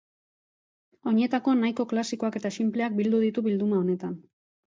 Oinetako nahiko klasikoak eta sinpleak bildu ditu bilduma honetan.